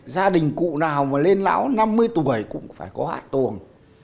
gia đình cụ nào mà lên lão năm mươi tuổi cũng phải có hạt tuồng